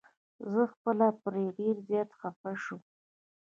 زه خپله پرې ډير زيات خفه شوم.